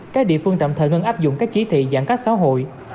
các địa phương tạm thời ngân áp dụng các chỉ thị giãn cách xã hội